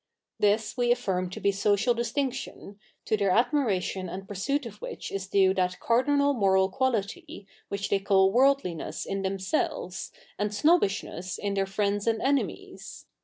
' This 2ve affirm to be social distinctio7i, to their ad miratio7i a7id pursuit of ivhich is due that cardi}uil moral quality which they call ivorldli7iess in themselves, and snobbish7iess in their friejids a7id e7ie7nies.